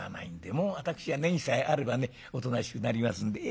もう私はネギさえあればねおとなしくなりますんで。